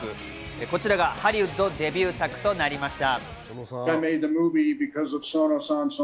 こちらがハリウッドデビュー作となりました。